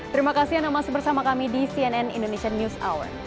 terima kasih anda masih bersama kami di cnn indonesian news hour